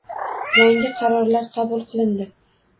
Yangi qarorlar qabul qilindi